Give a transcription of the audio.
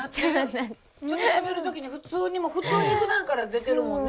ちょっとしゃべる時に普通にふだんから出てるもんね。